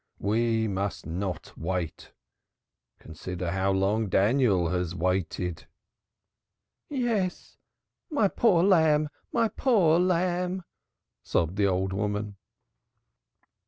"We must not wait. Consider how long Daniel has waited." "Yes, my poor lamb, my poor lamb!" sobbed the old woman.